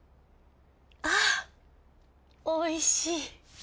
あおいしい。